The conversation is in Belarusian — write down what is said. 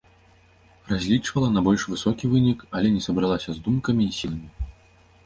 Разлічвала на больш высокі вынік, але не сабралася з думкамі і сіламі.